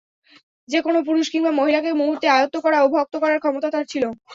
যে কোন পুরুষ কিংবা মহিলাকে মুহূর্তে আয়ত্ত করা ও ভক্ত করার ক্ষমতা তার ছিল।